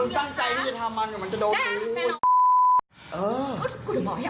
ถูกมากที่จะทำออกมันอย่างงี้